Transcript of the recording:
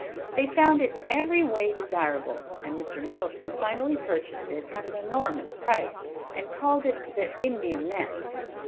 They found it every way desirable, and Mr. Middleton finally purchased it at an enormous price, and called it the "Indian Nest."